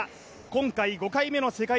今回５回目の世界